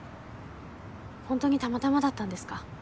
本当にたまたまだったんですか？